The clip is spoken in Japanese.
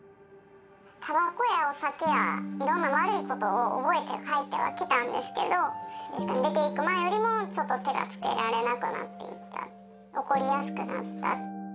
たばこやお酒やいろんな悪いことを覚えて帰ってはきたんですけど、出ていく前よりも、ちょっと手がつけられなくなっていった、怒りやすくなった。